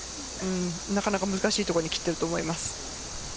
なかなか難しいところに切っていると思います。